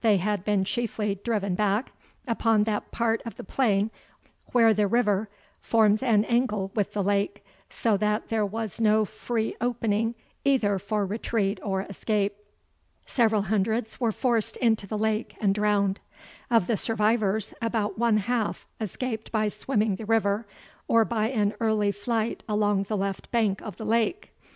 They had been chiefly driven back upon that part of the plain where the river forms an angle with the lake, so that there was no free opening either for retreat or escape. Several hundreds were forced into the lake and drowned. Of the survivors, about one half escaped by swimming the river, or by an early flight along the left bank of the lake.